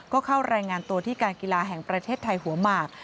ก็เข้ารายงานตัวที่การกีฬาแห่งประเทศไทยหัวหมาก